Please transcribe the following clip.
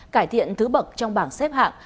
cải thiện thứ bậc trong bảng xếp hạng